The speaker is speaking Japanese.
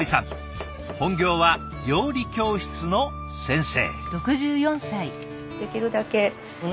本業は料理教室の先生。